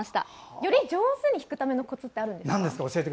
より上手に弾くためのコツはあるんですか？